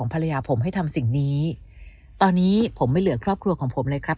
ภรรยาผมให้ทำสิ่งนี้ตอนนี้ผมไม่เหลือครอบครัวของผมเลยครับ